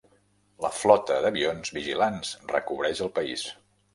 La flota d'avions vigilants recobreix el país.